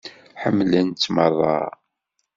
Ḥemmlen-tt merra.